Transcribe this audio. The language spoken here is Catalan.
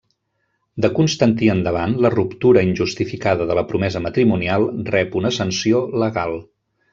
De Constantí endavant la ruptura injustificada de la promesa matrimonial rep una sanció legal.